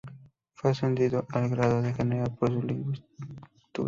Fue ascendido al grado de general por su legislatura.